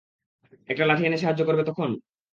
একটা লাঠি এনে সাহায্য করবে তখন?